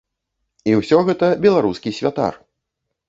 І ўсё гэта беларускі святар!